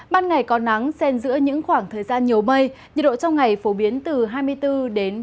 ban ngày còn nắng xen giữa những khoảng thời gian nhiều mây nhiệt độ trong ngày phổ biến từ hai mươi bốn đến ba mươi ba độ